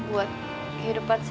buat kehidupan saya